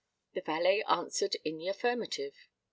The valet answered in the affirmative.